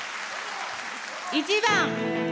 １番